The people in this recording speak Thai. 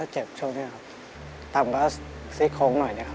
เจ็บช่วงนี้ครับต่ำก็ซี่โค้งหน่อยนะครับ